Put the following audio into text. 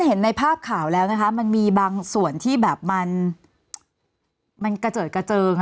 เห็นในภาพข่าวแล้วนะคะมันมีบางส่วนที่แบบมันกระเจิดกระเจิง